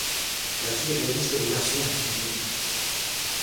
La fille réalise que le garçon est une fille.